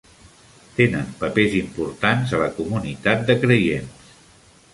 Tenen papers importants a la comunitat de creients.